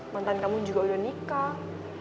mantan kamu juga udah nikah